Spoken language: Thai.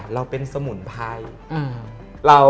เราเป็นสมุนไพร